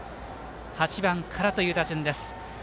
８番からという打順です。